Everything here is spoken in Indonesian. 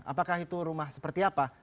apakah itu rumah seperti apa